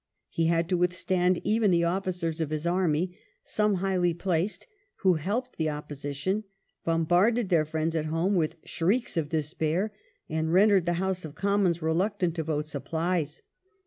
He had to withstand even the officers of his army, some highly placed, who helped the opposition, bombarded their friends at home with shrieks of despair, and rendered the House of Commons reluctant to vote supplies.